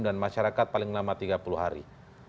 dan masyarakat paling lama tiga puluh hari